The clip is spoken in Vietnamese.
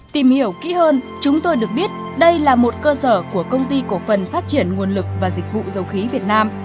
tìm hiểu kỹ hơn chúng tôi được biết đây là một cơ sở của công ty cổ phần phát triển nguồn lực và dịch vụ dầu khí việt nam